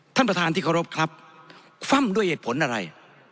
ท่านประธานที่เคารพครับคว่ำด้วยเหตุผลอะไร